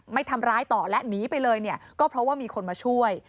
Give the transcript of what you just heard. ไม่ทำร้ายต่อและหนีไปเลยเนี่ยก็เพราะว่ามีคนมาช่วย